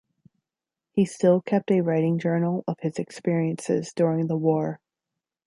He still kept a writing journal of his experiences during the war.